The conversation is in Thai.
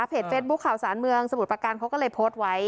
เฟซบุ๊คข่าวสารเมืองสมุทรประการเขาก็เลยโพสต์ไว้